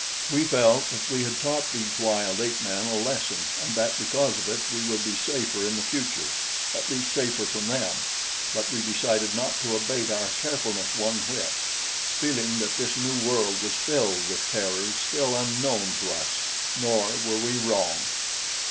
We felt that we had taught these wild ape men a lesson and that because of it we would be safer in the future at least safer from them; but we decided not to abate our carefulness one whit, feeling that this new world was filled with terrors still unknown to us; nor were we wrong.